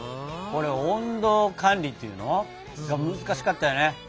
これ温度管理っていうの？が難しかったよね。